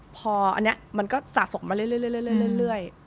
พออันนี้มันก็สะสมมาเรื่อย